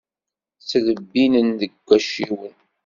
Ttlebbinen deg wacciwen.